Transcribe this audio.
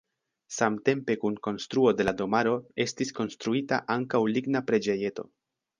Samtempe kun konstruo de la domaro estis konstruita ankaŭ ligna preĝejeto.